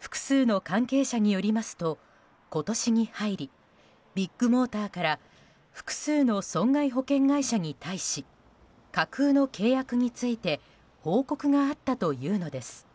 複数の関係者によりますと今年に入りビッグモーターから複数の損害保険会社に対し架空の契約について報告があったというのです。